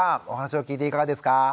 お話を聞いていかがですか？